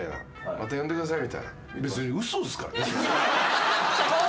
「また呼んでください」みたいな。